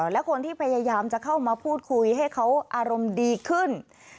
และคนที่พยายามจะเข้ามาพูดคุยให้เขาอารมณ์ดีขึ้น